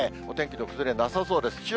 お天気の崩れなさそうです。